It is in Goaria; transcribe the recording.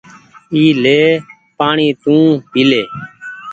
اي لي پآڻيٚ تونٚ پيلي